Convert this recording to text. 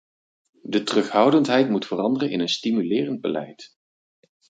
De terughoudendheid moet veranderen in een stimulerend beleid.